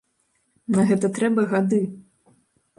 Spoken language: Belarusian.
На гэта трэба гады.